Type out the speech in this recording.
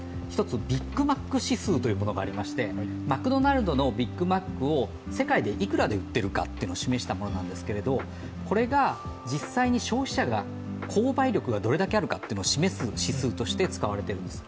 ビッグマック指数というものがありましてマクドナルドのビッグマックを世界でいくらで売っているかを示したものなんですけれどもこれが実際に消費者が購買力がどれだけあるかというのを示す指数として使われているんです。